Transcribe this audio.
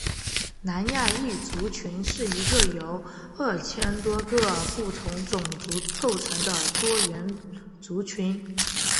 南亚裔族群是一个由二千多个不同种族构成的多元族群。